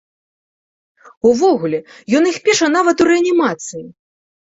Увогуле, ён іх піша нават у рэанімацыі!